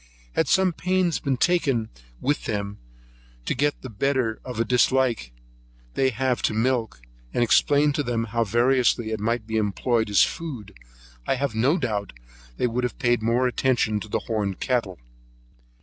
Had some pains been taken with them, to get the better of a dislike they have to milk, and explained to them how variously it might be employed as food, I have no doubt but they would have paid more attention to the horned cattle.